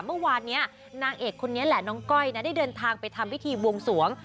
เมื่อวานนี้นางเอกคนนี้แหละน้องก้อยนะได้เดินทางไปทำพิธีบวงสวง